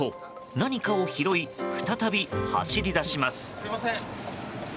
何かを拾い、再び走り出します。